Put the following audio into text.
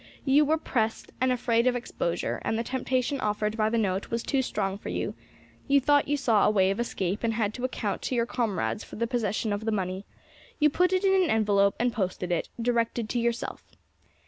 You were pressed and afraid of exposure, and the temptation offered by the note was too strong for you; you thought you saw a way of escape, and to account to your comrades for the possession of the money, you put it in an envelope and posted it, directed to yourself.